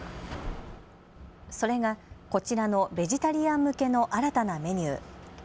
それがこちらのベジタリアン向けの新たなメニュー。